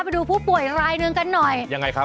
ไปดูผู้ป่วยรายนึงกันหน่อย